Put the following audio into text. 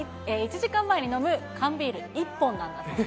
１時間前に飲む缶ビール１本なんだそうです。